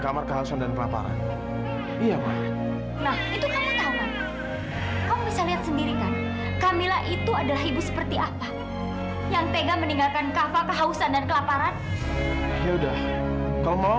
kamu mau punya calon istri yang pelin pelan